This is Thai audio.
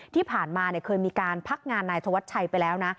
ที่ผ่านมาเคยมีการพักงานนายธวัชชัยไปแล้วนะ